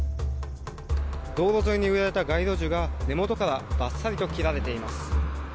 道路沿いに植えられた街路樹が根元からバッサリと切られています。